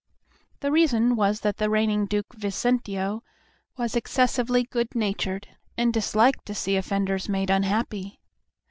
The reason was that the reigning Duke Vicentio was excessively good natured, and disliked to see offenders made unhappy.